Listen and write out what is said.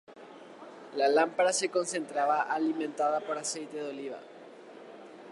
La lámpara se encontraba alimentada por aceite de oliva.